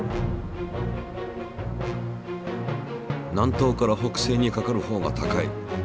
南東から北西にかかるほうが高い。